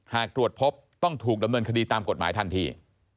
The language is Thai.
หากตรวจพบต้องถูกดำเนินคดีตามกฎหมายทันที